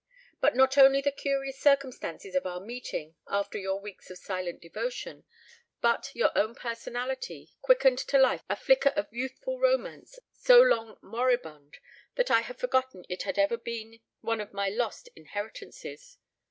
"But not only the curious circumstances of our meeting after your weeks of silent devotion, but your own personality, quickened to life a flicker of youthful romance so long moribund that I had forgotten it had ever been one of my lost inheritances.